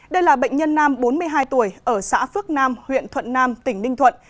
đây là bệnh nhân nam bốn mươi hai tuổi ở xã phước nam huyện thuận nam tỉnh ninh thuận